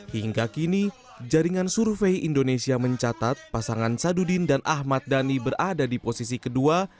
hingga kini jaringan survei indonesia mencatat pasangan sadudin dan ahmad dhani berada di posisi kedua